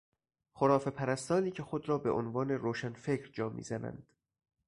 خرافهپرستانی که خود را به عنوان روشنفکر جا میزنند